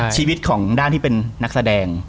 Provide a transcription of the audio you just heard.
ชีวิตของด้านที่เป็นนักแสดง